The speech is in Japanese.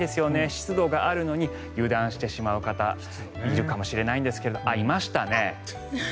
湿度があるのに油断してしまう方いるかもしれないんですがあ、いましたね。